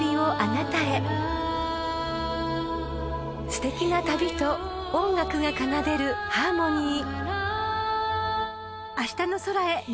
［すてきな旅と音楽が奏でるハーモニー］